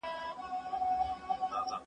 ګټور اوسئ.